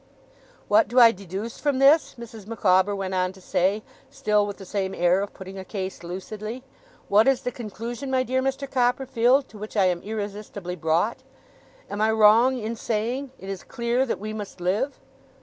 'What do I deduce from this?' Mrs. Micawber went on to say, still with the same air of putting a case lucidly. 'What is the conclusion, my dear Mr. Copperfield, to which I am irresistibly brought? Am I wrong in saying, it is clear that we must live?